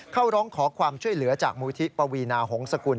เข้าร้องขอความช่วยเหลือจากมูลที่ปวีนาหงษกุล